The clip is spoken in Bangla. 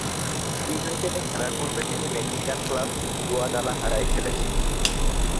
ইউনাইটেডে খেলার পুর্বে তিনি মেক্সিকান ক্লাব গুয়াদালাহারায় খেলেছেন।